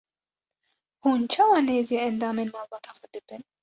Hûn çawa nêzî endamên malbata xwe dibin?